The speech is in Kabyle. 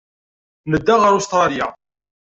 Nedda ɣer Ustṛalya.